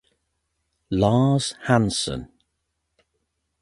Lars Hansen.